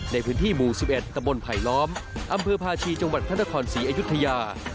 ในพื้นที่หมู่๑๑ตะบนไผลล้อมอำเภอพาชีจังหวัดพระนครศรีอยุธยา